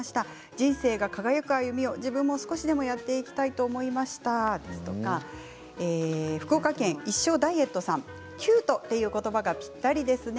人生が輝く歩みを少しでもやっていきたいと思いましたとか福岡県の方、キュートという言葉がぴったりですね。